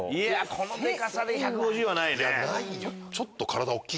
このデカさで１５０はないね。